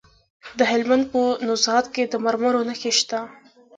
د هلمند په نوزاد کې د مرمرو نښې شته.